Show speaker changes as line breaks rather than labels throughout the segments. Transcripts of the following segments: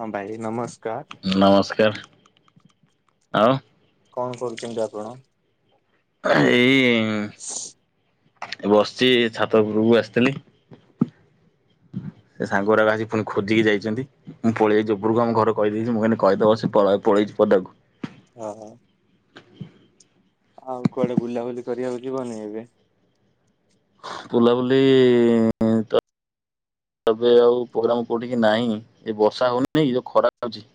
ହଁ ଭାଇ ନମସ୍କାର।
ନମସ୍କାର ଆଉ।
କଣ କରୁଛନ୍ତି ଆପଣ।
ଏଇ ଉମ
[inaudible]
ବସିଛି ଏ ଛାତ ଉପରକୁ ଆସିଥିଲି।
[inaudible]
[inaudible] ସେ ସାଙ୍ଗ ଗୁଡାକ ଆସି ପୁଣି ଖୋଜିକି ଯାଇଛନ୍ତି। ମୁଁ ପଳେଇଆଇଛି ଉପୁରକୁ ଆମ ଘରେ କହିଦେଇଛି ମୁଁ [unintelligible] କହିଦବ ସେ [unintelligible] ପଳେଇଛି ପଦାକୁ।
ଓ ହୋ ଆଉ କୁଆଡେ ବୁଲାବୁଲି କରିବାକୁ ଯିବନି ଏବେ।
ବୁଲା ବୁଲି [inaudible] ଉମ ତ ତବେ ଆଉ ପୋଗ୍ରାମ କଉଠିକି ନାହିଁ ଏ ବର୍ଷା ହଉନି ଯଉ ଖରା ଅଉଛି।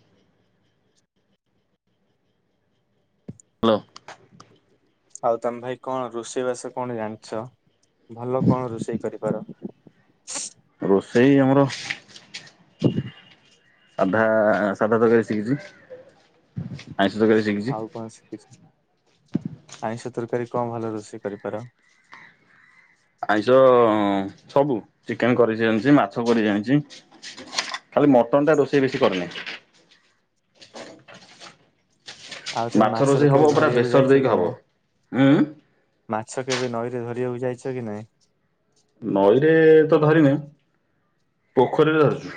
ହ୍ୟାଲୋ
ଆଉ ତମେ ଭାଇ କଣ ରୋଷେଇବାସ କଣ ଜାଣିଛ ଭଲ କଣ ରୋଷେଇ କରିପାର।
ରୋଷେଇ ଆମର ସାଧା ସାଧା ତରକାରୀ ଶିଖିଛି। ଆଇଁଷ ତରକାରୀ ଶିଖିଛି।
ଆଉ କଣ ଶିକିଛୁ ଆଇଁଷ ତରକାରୀ କଣ ଭଲ ରୋଷେଇ କରିପାର
ଆଇଁଷ ସବୁ ଚିକେନ୍ କରି ଜାଣିଛି ମାଛ କରି ଜଣିଛି ଖାଲି ମଟନ ଟା ରୋଷେଇ ବେଶୀ କରିନି
ଆଉ ତମେ ମାଛ
ରୋଷେଇ ହବ
ରଖିବ
ପୁରା
ଧରିବାକୁ
ବେସର
ଯାଇଛ
ଦେଇକି
କି
ହବ।
ନାଇ
ଉଁ
ମାଛ କେବେ ନଈରେ ଧରିବାକୁ ଯାଇଛ କି ନାଇ
ନଈରେ ତ ଧରିନାଇ ପୋଖରୀରେ ଧରିଛି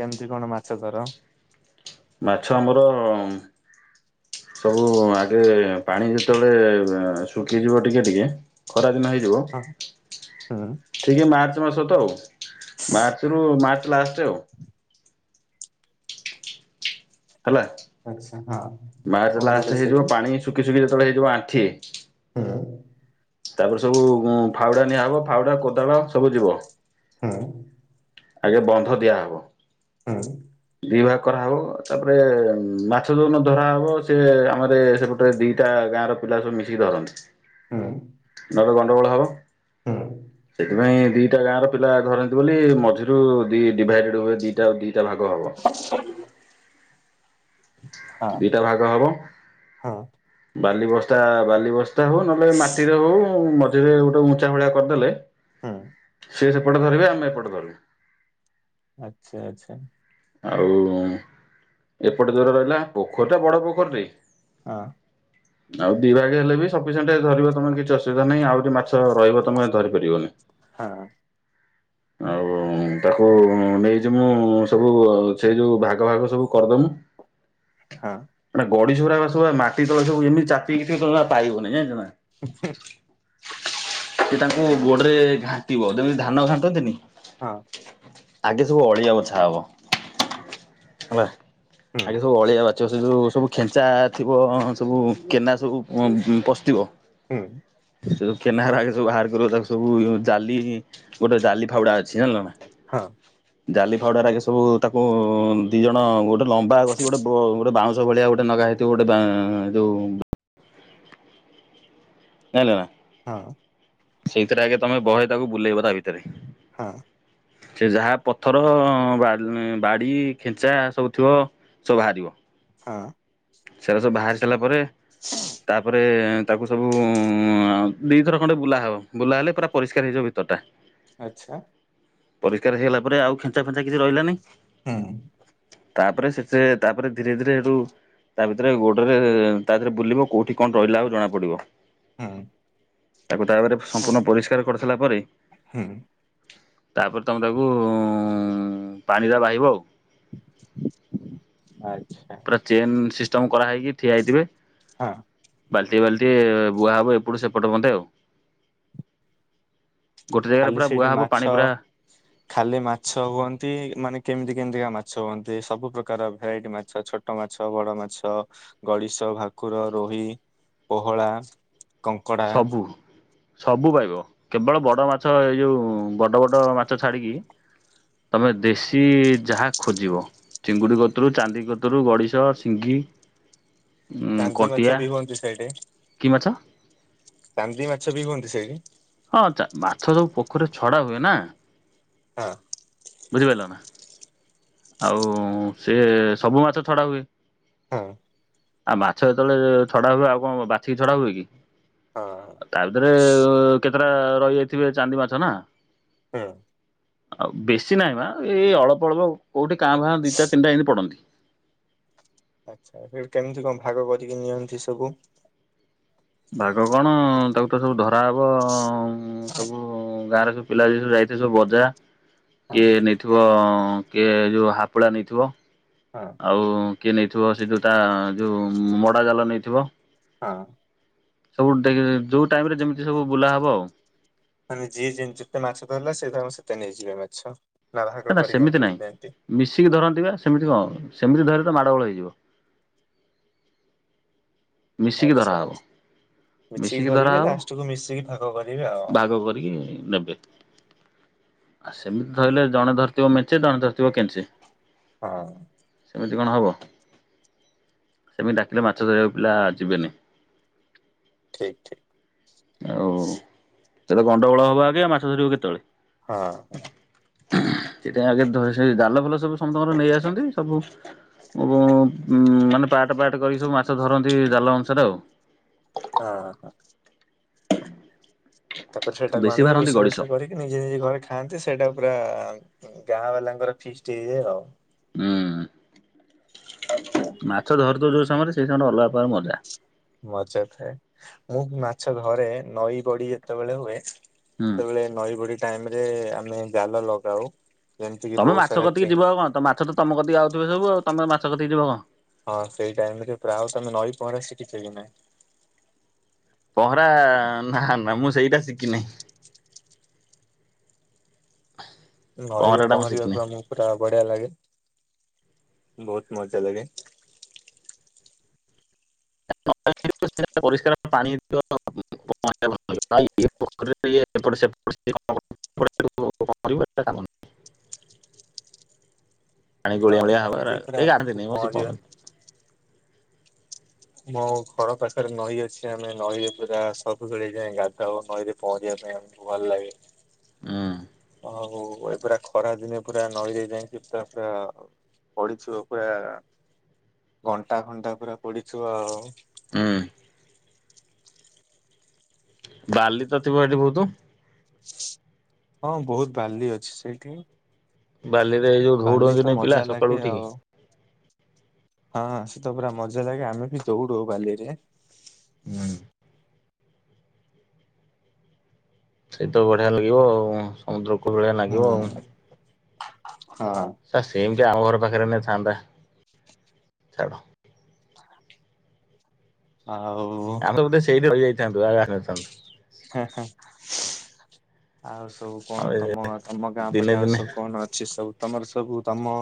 କେମିତି କଣ ମାଛ ଧର
ମାଛ ଆମର ସବୁ ଆଗେ ପାଣି ଯେତେବେଳେ ଶୁଖିଯିବ ଟିକିଏ ଟିକିଏ ଖରାଦିନ ହେଇଯିବ
ହଁ ହୁଁ
ଠିକି ମାର୍ଚ୍ଚ ମାସ ତ ଆଉ ମାର୍ଚ୍ଚ ରୁ ମାର୍ଚ୍ଚ ଲାଷ୍ଟ ଆଉ ହେଲା
ଆଚ୍ଛା ହଁ
ମାର୍ଚ
କଣ କର
ଲାଷ୍ଟ ହେଇଯିବ
ସେଇଠି
ପାଣି ଶୁଖି ଶୁଖି ଯେତେବେଳେ ହେଇଯିବ ଆଣ୍ଠିଏ
ହଁ [inaudible]
ତାପରେ ସବୁ ଗାଁ ଫାଉଡା ନିଆ ହବ ଫାଉଡା କୋଦାଳ ସବୁ ଯିବ
ଆଉ
ଆଗେ ବନ୍ଧ ଦିଆହବ
ଆଉ
ଦି ଭାଗ କରାହବ ତାପରେ ମାଛ ଜଉଦିନ ଧରାହବ ସେ ଆମର ସେପଟୁ ତ ଦିଟା ଗାଁ ର ପିଲା ସବୁ ମିଶିକି ଧରନ୍ତି
ହଁଅ
ନହଲେ ଗଣ୍ଡଗୋଳ ହବ ସେଥିପାଇଁ ଦିଟା ଗାଁ ର ପିଲା ଧରନ୍ତି ବୋଲି ମଝି ରୁ ଡି ଡିଭାଇଡେଡ୍ ହୁଏ ଦିଟା ଦିଟା ଭାଗ ହବ
ଆଛ [unintelligible]
ଦିଟା ଭାଗ ହବ
ହଁ
ବାଲି ବସ୍ତା ବାଲି ବ ସ୍ତା ହଉ ନହେଲେ ମାଟିରେ ହଉ ମଝିରେ ଗୋଟେ ଉଞ୍ଚା ଭଳିଆ କରିଦେଲେ
ହଁ
ସେ ସେପଟେ ଧରିବେ ଆମେ ଏପଟେ ଧରିବୁ
ଆଛା ଆଛା
ଆଉ ଏପଟେ ଜୋର ରହିଲା ପୋଖରୀ ଟା ବଡ ପୋଖରୀ
ଆଁ
ଆଉ ଡିଭାଇଡ୍ ହେଲେ ବି ସପିସେଣ୍ଟ ଧରିବ ତମର କିଛି ଅୁବିଧା ନାହିଁ ଆଉ ମାଛ ରହିବ ତମେ ଧରି ପାରିବନି
ହଁ
ଆଉ ତାକୁ ନେଇଚି ମୁଁ ସବୁ ସେଇ ଯୋଉ ଭାଗ ଭାଗ ସବୁ କରିଦଉନୁ
ହ
ମାନେ ଗଡିସଗୁରାକ ସବୁ ବା ମାଟି ତଳେ ସବୁ ଏମିତି ଚାପିକି ଥିବ ବା ପାଇବନି ଜାଣିଛୁ ନା
ଆଛା
ସେ ତାଙ୍କୁ ଗୋଡରେ ଘାଣ୍ଟିବ ଯେମିତି ଧାନ ଘାଣ୍ଟନ୍ତିନି
ହଁ
ଆଗେ ସବୁ ଅଳିଆ ବଛା ହବ ହେଲା
ହୁଁ
ଆଗେ ସବୁ ଅଳିଆ ବ ଛା ସେ ଯୋଉଁ ସବୁ ଖେଞ୍ଚା ଥିବ ସବୁ କେନା ସବୁ ପ ପସିଥିବ
ହ୍ୟାଲୋ
ସେ ଯୋଉ କେନାହାର ଆଗେ ସବୁ ବାହାର କରିବୁ ତାକୁ ସବୁ [unintelligible] ଜାଲି ଗୋଟେ ଜାଲି ଫାଉଡା ଅଛି ଜାଣିଲ ନା।
ହଁ।
ଜାଲି ଫାଉଡାରାକେ ସବୁ ତାକୁ ଦି ଜଣ ଗୋଟେ ଲମ୍ବା କସିକି ଗୋଟେ ବୋ ଗୋଟେ ବାଉଁ ଶ ଭଳିଆ ଗୋଟେ ନଗା ହେଇଥିବ ଗୋଟେ ବାଁ ଯୋଉ ଜାଇଁଲ ନା।
ହଁ।
ସେଇଥିରେ ଆଗେ ତମେ ବହେ ତାକୁ ବୁଲେଇବ ତା ଭିତରେ।
ହଁ।
ସେ ଯାହା ପଥର‌ ଅଁ ବା-ବାଡି ଖେଞ୍ଚା ସବୁ ଥିବ ସବୁ ବାହାରିବ।
ହଁ।
ସେରା ସବୁ ବାହାରି ସାରିଲା ପରେ ତାପରେ ତାକୁ ସବୁ ଉଁ ଦିଇ ଥର ଖଣ୍ଡେ ବୁଲା ହବ। ବୁଲା ହେଲେ ପୁରା ପରିଷ୍କାର ହେଇଯିବ ଭିତରଟା।
ଆଚ୍ଛା
ପରିସ୍କାର ହେଇଗଲା ପରେ ଆଉ ଖେଞ୍ଚା ଫେଞ୍ଚା କିଛି ରହିଲାନି।
ହୁଁ।
ତାପରେ ସେତେ ତାପରେ ଧୀରେ ଧୀରେ ହେଟୁ ତା ଭିତରେ ଗୋଡରେ ତା ଦେହରେ ବୁଲିବ କୋଉଠି କଣ ରହିଲା ଆଉ ଜଣାପ ଡିବ।
ହୁଁ
ତାକୁ ତାପରେ ସମ୍ପୂର୍ଣ୍ଣ ପରିଷ୍କାର କରି ସାଇଲା ପରେ।
ହୁଁ
ତାପରେ ତମେ ତାକୁ ଉଁ ପାଣିରେ ବାହିବ ଆଉ।
ଆଚ୍ଛା।
ପୁରା ଚେନ୍ ସିଷ୍ଟମ କରାହେଇକି ଠିଆ ହେଇଥିବେ।
ହଁ।
ବାଲଟିଏ ବାଲଟିଏ ବୁହା ହବ ଏପଟୁ ସେପଟେ ମଂତେ ଆଉ। ଗୋଟେ ଜାଗାରେ
ଖାଲି
ପୁରା
ସେଇଠି
ବୁଆ ହବ
ମାଛ
ପାଣି ପୁରା
[inaudible] ଖାଲି ମାଛ ହୁଅନ୍ତି ମାନେ କେମିତି କେମିତିକା ମାଛ ହୁଅନ୍ତି ସବୁ ପ୍ର୍ରକାର ଭେରାଇଟି ମାଛ ଛୋ ଛୋଟ ମାଛ, ବଡ ମାଛ, ଗଡିଶ, ଭାକୁର, ରୋହି, ପୋହଳା କଙ୍କଡା
ସବୁ ସବୁ ପାଇବ କେବଳ ବଡ ମାଛ ଏଇ ଯୋଉ ବଡ ବଡ ମାଛ ଛାଡିକି। ତମେ ଦେଶୀ ଯାହା ଖୋଜିବ। ଚିଙ୍ଗୁଡି କତୁରୁ ଚାନ୍ଦି କତୁରୁ ଗଡିଶ, ସିଙ୍ଗି ଉଁ
ଚାନ୍ଦି ମାଛ
କଣ୍ଟିଆ
ବି ହୁଅନ୍ତି ସେଇଠି।
କି ମାଛ
ଚାନ୍ଦି ମାଛ ବି ହୁଅନ୍ତି ସେଇଠି।
ହଁ ଚା ମାଛ ସବୁ ପୋଖରୀ ଛଡା ହୁଏନା।
ହଁ।
ବୁଝି ପାଇଲନା? ଆଉ ସିଏ ସବୁ ମାଛ ଛଡା ହୁଏ।
ହଁ।
ଆ ମାଛ ଯେତେବେଳେ ଛଡା ହୁଏ ଆଉ କଣ ବାଛିକି ଛଡା ହୁଏ କି।
ହଁ।
ତା ଭିତରେ କେତିଟା ରହିଯାଇଥିବେ ଚାନ୍ଦି ମାଛ ନା।
ହଁ।
ଆଉ ବେଶୀ ନାହିଁ ପା ଏଇ ଅଳ୍ପ ଅଳ୍ପ କୋଉଠି କାଁ ଭାଁ ଦିଇଟା ତିନିଟା ଏମିତି ପଡନ୍ତି।
ଆଚ୍ଛା ସେବି କେମିତି କଣ ଭାଗ କରିକି ନିଅନ୍ତି ସବୁ।
ଭାଗ କଣ ତାକୁ ତ ସବୁ ଧରାହବ‌ଅଁ ଉଁ। ସବୁ ଗାଁରେ ସବୁ ପିଲା ଯିଏ ସବୁ ଯାଇଥିବେ ସବୁ ଅଜା
ହଁ
କିଏ ନେଇଥିବ କିଏ ଯଉ ହାପଳା ନେଇଥିବ।
ହଁ।
ଆଉ କିଏ ନେଇଥିବ ସେ ଯଉଟା ଯଉଁ ମଡ଼ା ଜାଲ ନେଇଥିବ।
ହଁ।
ସବୁ ଟେକେ ଯଉ ଟାଇମ୍ ରେ ଯେମିତି ସବୁ ବୁଲା ହବ ଆଉ।
ମାନେ ଯିଏ ଜେ ଯେତେ ମାଛ ଧରିଲା ସେ ତାର ସେତେ ନେଇଯିବେ ମାଛ। ଭାଗ
ନା ନା
କରିକି
ସେମିତି
ଏମିତି
ନାହିଁ
ନିଅନ୍ତି
ମିଶିକି ଧରନ୍ତି ବା ସେମିତି କଣ ସେମିତି ଧରିଲେ ତ ମାଡ଼ ଗୋଳ ହେଇଯିବ। ମିଶିକି
ଆଚ୍ଛା
ଧରାହବ।
ଆଚ୍ଛା।
ମିଶିକି
ଧରିବେ
ଧରାହବ
ଲାଷ୍ଟକୁୁ ମିଶିକି ଭାଗ କରିବେ ଆଉ
ଭାଗ କରିକି ନେବେ। ଆଉ ସେମିତି ଧଇଲେ ଜଣେ ଧରିଥିବ ମେଞ୍ଚେ ଜଣେ ଧରିଥିବ କେଞ୍ଚେ।
ହଁ।
ସେମିତି କଣ ହବ ସେମିତି ଡାକିଲେ ମାଛ ଧରିବାକୁ ପିଲା ଯିବେନି।
ଠିକ୍ ଠିକ୍।
ଆଉ ତେବେ ଗଣ୍ଡଗୋଳ ହବ ଆଗେ ମାଛ ଧରିବୁ କେତେବେଳେ।
ହଁ ହଁ।
ସେଇଟା ଆଗେ ଧରିସାରି ଜାଲ ଫାଲ ସବୁ ସମସ୍ତଙ୍କର ନେଇ ଆସନ୍ତି ସବୁ। [unintelligible] ଉଁ ମାନେ ପାଟ୍ ପାଟ୍ କରିକି ସବୁ ମାଛ ଧରନ୍ତି ଜାଲ ଅନୁସାରେ ଆଉ।
ହଁ ହଁ। ତାପରେ ସେଟାକୁ
ବେଶୀ
ଆଣିକି
ଭାରନ୍ତି
ରୋଷେଇ
ଗଡିଶ
ବାସ କରି। ନିଜେ ନିଜେ ଘରେ ଖାଆନ୍ତି ସେଇଟା ପୁରା ଉଁ ଗାଁ ବାଲାଙ୍କର ଫିସ୍ଟ ହେଇଯାଏ ଆଉ।
ହୁଁ ମାଛ ଧରୁଥିବ ଯୋଉ ସମୟରେ ସେଇ ସମୟରେ ଅଲଗା ପକାର ମଜା।
ମଜା ଥାଏ ମୁଁ ମାଛ ଧରେ ନଈ ବଡି ଯେତେବେଳେ ହୁଏ
ହୁଁ।
ସେତେବେଳେ। ନଈ ବଡି ଟାଇମ୍ ରେ ଆମେ ଜାଲ ଲଗାଉ। ଯେମିତି କିି
ତମେ
ବହୁତ
ମାଛ
ସାରା
କତିିକି ଯିବ
ଚେଙ୍ଗ
ଆଉ କଁ ତ ମାଛ ତ ତମ କତିକି ଆଉ ଥିବେ ସବୁ ଆଉ ତମେ ମାଛ କତିକି ଯିବ କଁ?
ହଁ ସେଇ ଟାଇମ ରେ ପ୍ରାୟ ତମେ ନଈ ପହଁରା ଶିଖିଛ କି ନାଇ।
ପହଁରା ନା ନା ମୁଁ ସେଇଟା ଶିଖିନି। ହ
ନଇରେ ପହଁରିବା ପୁରା ମୁଁ ପୁରା ବଢିଆ ଲାଗେ ବହୁତ ମଜା ଲାଗେ।
[inaudible] ପରିଷ୍କାର ପାଣି [inaudible] [inaudible] ପୋଖରୀ ଏପଟ ସେପଟ [inaudible] [inaudible] ପାଣି ଗୋଳିଆ
ହଁ
ଗୋଳିଆ ହବ ଏରା
ନଈରେ ପୁରା
କେହି
ଆମକୁ
ଗାଧାନ୍ତିନି ମ ସେ
ପହଁରିବା।
ପହଁରନ୍ତି।
ମୋ ଘର ପାଖରେ ନଈ ଅଛି ଆମେ ନଈରେ ପୁରା ସବୁବେଳେ ଯାଇଁ ଗାଧାଉ ନଈରେ ପହଁରିବା ପାଇଁ ଆ ଭଲ ଲାଗେ।
ହୁଁ।
ଆଉ ଏ ପୁରା ଖରା ଦିନେ ପୁରା ନଈରେ ଯାଇକି ତା ପୁରା ପଢିଥିବ ପୁରା ଘଣ୍ଟା ଘଣ୍ଟା ପୁରା ପଢିଥିବ।
ଉଁ। ବାଲି ତ ଥିବ ହେଠି ବହୁତ।
ହଁ ବହୁତ ବାଲି ଅଛି ସେଇଠି।
ବାଲିରେ ଏଇ ଯୋଉ
ବାଲି ତ
ଧଉଡନ୍ତିନି ପିଲା
ମଜା
ସକାଳୁ
ଲାଗେ
ଉଠିକି।
ଆଉ। ହଁ ସେ ତ ପୁରା ମଜା ଲାଗେ ଆମେ ବି ଦୌଡୁ ବାଲିରେ।
ହୁଁ। ସେଇ ତ ବଢିଆ ଲାଗିବ ଆଉ ସମୁଦ୍ର। କୂଳ ଭଳିଆ ଲାଗିବ
ହୁଁ
ଆଉ।
ହଁ।
ଆ ସେମେତିଆ ଆମ ଘର ପାଖରେ ହେନେ ଥାନ୍ତା ଛାଡ଼।
ହ [inaudible] ଆଉ
ତୁ ବୋଧେ ସେଇଠି ରହିଯାଇଥାନ୍ତୁ ଆଉ ଆସି ନଥାନ୍ତୁ।
ଆଉ ସବୁ
ଆଉ
କଣ
ଏ
ତମ ଗାଁ ତମ ଗାଁ
ଦିନେ
ପଟେ ଆଉ
ଦିନେ
ସବୁ କଣ ଅଛି ସବୁ? ତମର ସବୁ ତମ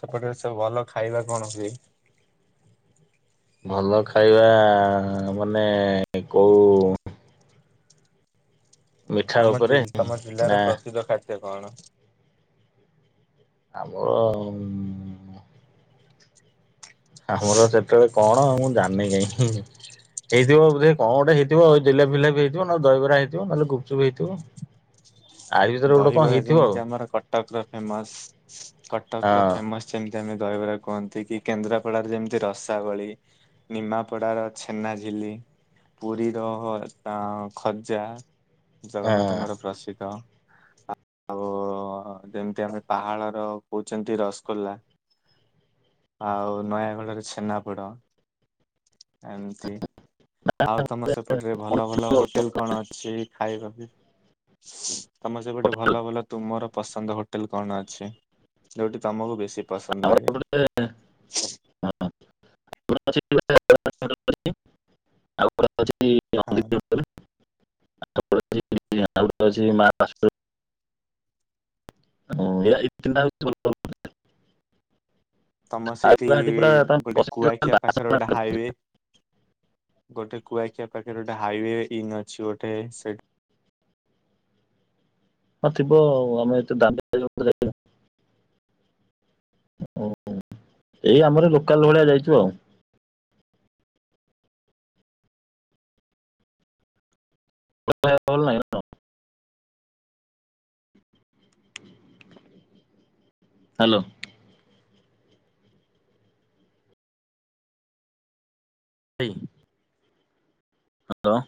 ସେପଟରେ ସବୁ ଭଲ ଖାଇବା କଣ ହୁଏ?
ଭଲ ଖାଇବା ଆ ମାନେ କଉ ମିଠା
ତମ
ଉପରେ
ଯି ତମ ଜିଲ୍ଲାର
ନା
ପ୍ରସିଦ୍ଧ ଖାଦ୍ୟ କଣ?
ଆମର ଉଁ ଆମର ସେତେବେଳେ କଣ ମୁଁ ଜାଣିନି କାହିଁ। ହେଇଥିବ ବଧେ କଣ ଗୋଟେ ହେଇଥିବ ଜିଲାପ ଫିଲାପ ହେଇଥିବ ନହେନେ ଦହିବରା ହେଇଥିବ ନହଲେ ଗୁପଚୁପ୍ ହେଇଥିବ। ଆରି ଭିତରେ ଗୋଟେ କଣ
ଦହିବରା
ହେଇଥିବ
ଯେମିତି ଆମର କଟକ ର ଫେମସ୍ କଟକ ର
ଆଉ
ଫେମସ୍ ସେମିତି ଆମେ ଦହିବରା କୁହନ୍ତିକି କେନ୍ଦ୍ରାପଡାରେ ଯେମିତି ରସାବଳୀ। ନିମାପଡ଼ାର ଛେନାଝିଲି। ପୁରୀର ହଁ ତ ଖଜା
ହଁ ହଁ।
ଜଗନ୍ନାଥଙ୍କର ପ୍ରସିଦ୍ଧ। ଆଉ ଉଃ ଯେମିତି ଆମେ ପାହାଳର କହୁଛନ୍ତି ରସଗୋଲ୍ଲା। ଆଉ ନୟାଗଡର ଛେନାପୋଡ। ଏମିତି। ଆଉ ତମ ସେପଟରେ ଭଲ ଭଲ
ଥିବ
ହୋଟେଲ କଣ ଅଛି ଖାଇବା ବି ତମ ସେପଟେ ଭଲ ଭଲ ତୁମର ପସନ୍ଦ ହୋଟେଲ କଣ ଅଛି? ଯଉଠି ତମକୁ ବେଶୀ ପସନ୍ଦ ଲାଗେ।
[unintelligible]
ହଁ।
ଆଉ ଗୋଟେ ଅଛି ମା ବାସୁ [unintelligible]
ତମ ସେଇଠି ଗୋଟେ କୁଆଖିଆ ପାଖରେ ଗୋଟେ ହାଇୱେ ଗୋଟେ କୁଆଖିଆ ପାଖରେ ଗୋଟେ ହାଇୱେ ଇନ୍ ଅଛି ଗୋଟେ ସେଠି
ହଁ ଥିବ ଆଉ ଆମେ ଏତେ ଦାମୀ [unintelligible] ଓୋ ହୋ ଏଇ ଆମର ଲୋକାଲ ଭଳିଆ ଯାଇଚୁ ଆଉ। ଭଲ [unintelligible] ନାହିଁ। ହ୍ୟାଲୋ। ଡି ହ୍ୟାଲୋ।